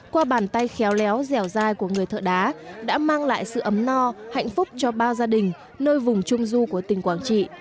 qua bàn tay khéo léo dẻo dai của người thợ đá đã mang lại sự ấm no hạnh phúc cho ba gia đình nơi vùng trung du của tỉnh quảng trị